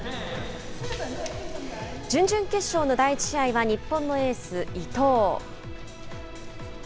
準々決勝の第１試合は日本のエース、伊藤。